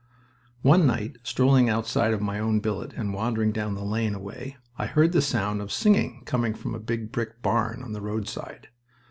One night, strolling outside my own billet and wandering down the lane a way, I heard the sound of singing coming from a big brick barn on the roadside.